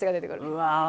うわ。